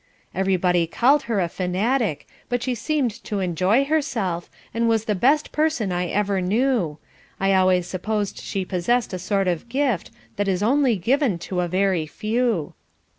Everybody called her a fanatic, but she seemed to enjoy herself, and was the best person I ever knew; I always supposed she possessed a sort of gift that is only given to a very few."